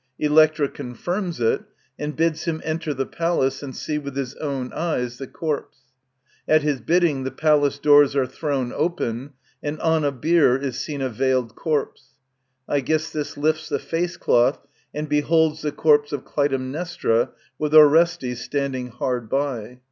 Electra confirms it, and bids him enter the palace and see with his own eyes the corpse. At his bidding the palace doors are thrown open and on a bier is seen a veiled corpse. Aegisthus lifis the face cloth and beholds the corpse of Clytemnestra mith Orestes standing hard by.